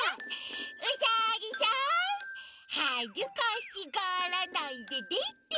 ウサギさんはずかしがらないででておいで。